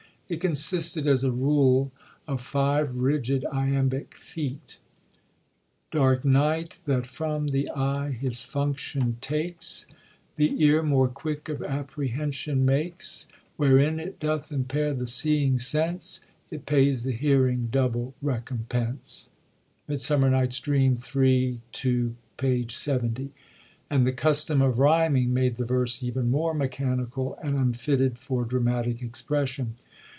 It consisted, as a rule, of five rigid iambic feet :'* Dark night, that from the eye hTs Function takes. The ear more qoiok of apprehension makes ; Wherein it doth impldr the seeing sense, it pays the hearing doable recompense,' —Midsummer Nighffa Dream, III. 11. p. 70, and the custom of ryming made the verse even more mechanical and unfitted for dramatic expression.